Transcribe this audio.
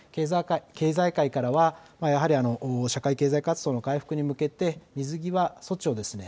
経済界からはやはり社会経済活動の回復に向けて水際措置をですね